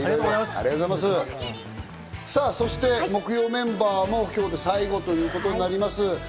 さぁ、そして木曜メンバーも今日で最後となります。